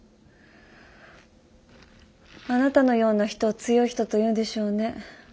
あなたのような人を強い人というんでしょうね。